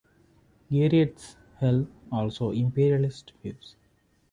Giertych held also imperialist views.